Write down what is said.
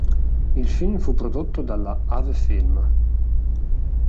Il film fu prodotto dalla Ave-Film.